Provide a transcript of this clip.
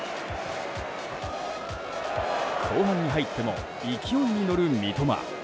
後半に入っても勢いに乗る三笘。